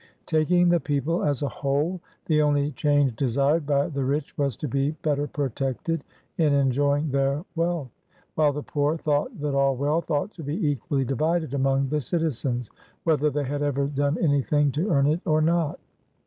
Taking the people as a whole, the only change desired by the rich was to be better protected in enjoying their wealth; while the poor thought that all wealth ought to be equally divided among the citizens, whether they had ever done anything to earn it or not.